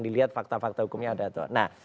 dilihat fakta fakta hukumnya ada atau tidak nah